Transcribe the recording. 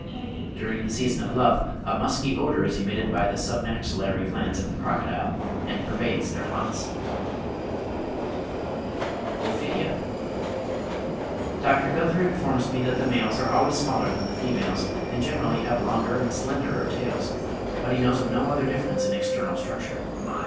During the season of love, a musky odour is emitted by the submaxillary glands of the crocodile, and pervades their haunts. (55. Owen, 'Anatomy of Vertebrates,' vol. i. 1866, p. 615.) OPHIDIA. Dr. Gunther informs me that the males are always smaller than the females, and generally have longer and slenderer tails; but he knows of no other difference in external structure.